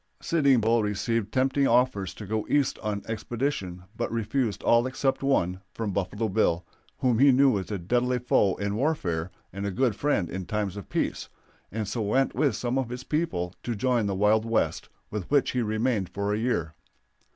Sitting Bull received tempting offers to go East on exhibition, but refused all except one from Buffalo Bill whom he knew as a deadly foe in warfare and a good friend in times of peace and so went with some of his people to join the Wild West, with which he remained for a year.